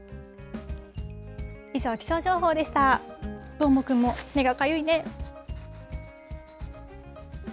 どーもくんも、目がかゆいね。